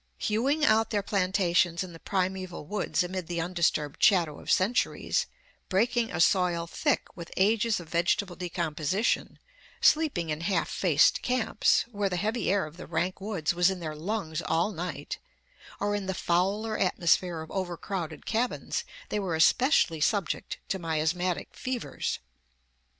Hewing out their plantations in the primeval woods amid the undisturbed shadow of centuries, breaking a soil thick with ages of vegetable decomposition, sleeping in half faced camps, where the heavy air of the rank woods was in their lungs all night, or in the fouler atmosphere of overcrowded cabins, they were especially subject to miasmatic fevers.